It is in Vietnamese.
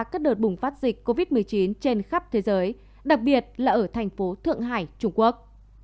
các đợt bùng phát dịch covid một mươi chín trên khắp thế giới đặc biệt là ở thành phố thượng hải trung quốc